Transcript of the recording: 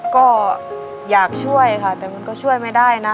ก็อยากช่วยค่ะแต่มันก็ช่วยไม่ได้นะ